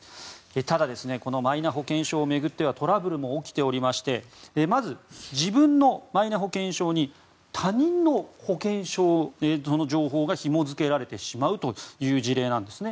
ただこのマイナ保険証を巡ってはトラブルも起きておりましてまず自分のマイナ保険証に他人の保険証の情報がひも付けられてしまうという事例なんですね。